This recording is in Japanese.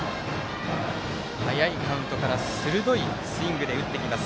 早いカウントから鋭いスイングで打ってきます。